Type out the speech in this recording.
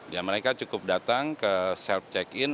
ya mereka cukup datang ke self check in